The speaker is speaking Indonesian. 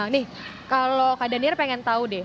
nih kalau kak daniel pengen tahu deh